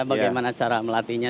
bagaimana cara melatihnya